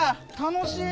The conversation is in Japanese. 楽しい。